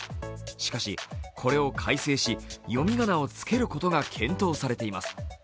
しかし、これを改正し、読み仮名をつけることが検討されています。